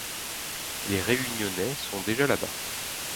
Les Réunionnais sont déjà là-bas.